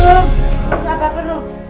krum siapa krum